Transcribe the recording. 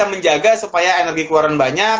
menjaga supaya energi keluaran banyak